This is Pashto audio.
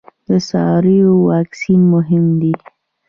د څارویو واکسین مهم دی